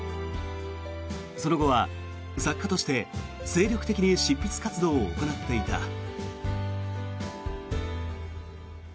その後は作家として精力的に執筆活動を行っていた。